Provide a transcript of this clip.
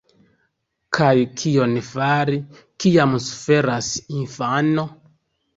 Kaj kion fari, kiam suferas infano?